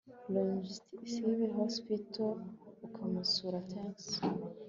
LONGLIVE HOSTIPAL ukamusurathanks